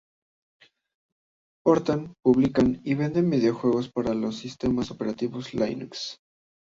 Portan, publican y venden videojuegos para los sistemas operativos Linux.